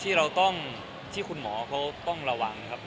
ที่เราต้องคุณหมอเราต้องระหว่างครับ